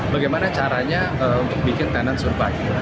bagaimana caranya untuk bikin tenan surbaik